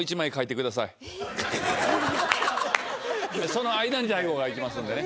その間にＤＡＩＧＯがいきますんでね。